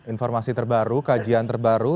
informasi terbaru kajian terbaru